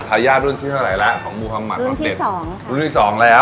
ทายาทรุ่นที่เท่าไหร่แล้วของมูฮังหัดรุ่นเด็ดสองรุ่นที่สองแล้ว